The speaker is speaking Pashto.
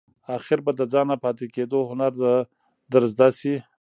آخیر به د ځانته پاتې کېدو هنر در زده شي !